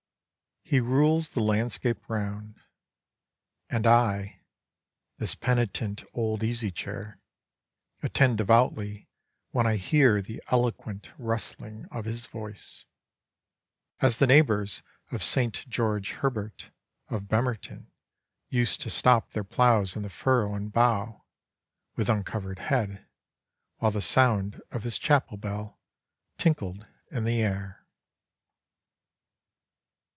He rules the landscape round. And I this penitent old Easy Chair attend devoutly when I hear the eloquent rustling of his voice as the neighbors of Saint George Herbert, of Bemerton, used to stop their ploughs in the furrow and bow, with uncovered head, while the sound of his chapel bell tinkled in the air.